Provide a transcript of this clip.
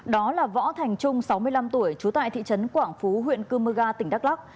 đó là võ thành trung sáu mươi năm tuổi trú tại thị trấn quảng phú huyện cơ mơ ga tỉnh đắk lắc